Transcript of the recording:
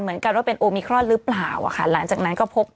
เหมือนกันว่าเป็นโอมิครอนหรือเปล่า